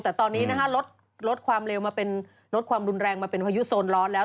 แต่ตอนนี้นะฮะลดความเร็วมาเป็นลดความรุนแรงมาเป็นพายุโซนร้อนแล้ว